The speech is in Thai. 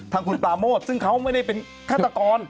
ทางคุณปราโมทซึ่งเขาไม่ได้เป็นฆาตกร